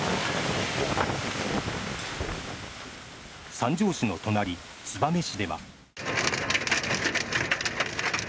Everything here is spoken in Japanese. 三条市の隣、燕市では。